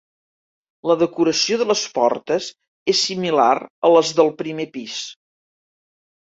La decoració de les portes és similar a les del primer pis.